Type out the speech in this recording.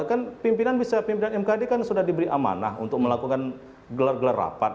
kan pimpinan bisa pimpinan mkd kan sudah diberi amanah untuk melakukan gelar gelar rapat